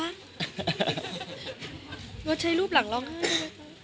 รถใช้รูปหลังร้องไห้ไหมคะ